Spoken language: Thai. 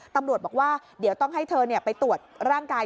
ตำรวจบอกว่าเดี๋ยวต้องให้เธอไปตรวจร่างกาย